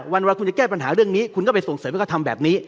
วันเวลาคุณจะแก้ปัญหาเรื่องนี้คุณก็ไปส่งเสริมให้เขาทำแบบนี้